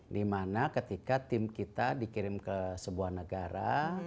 dimana ketika tim kita dikirim ke sebuah negara